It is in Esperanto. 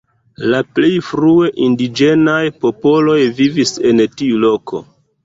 La plej frue indiĝenaj popoloj vivis en tiu loko.